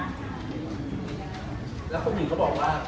แล้วคนอื่นก็บอกว่า